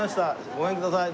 ごめんください。